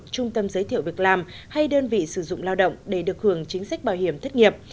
trung tâm giới thiệu việc làm hay đơn vị sử dụng lao động để được hưởng chính sách bảo hiểm thất nghiệp